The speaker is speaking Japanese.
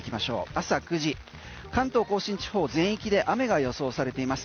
朝９時関東甲信地方全域で雨が予想されています。